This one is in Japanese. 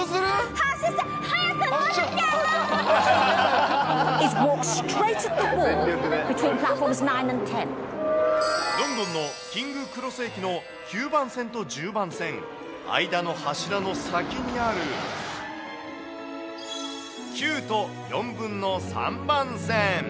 発車、早く、ロンドンのキングス・クロス駅の９番線と１０番線、間の柱の先にある９と３／４番線。